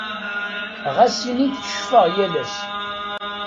Ɣas ini teccfeɣ yal ass.